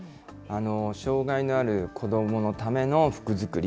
障害のある子どものための服づくり。